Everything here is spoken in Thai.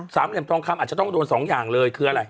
เหลี่ยมทองคำอาจจะต้องโดนสองอย่างเลยคืออะไร